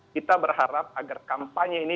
kita berharap agar kampanye ini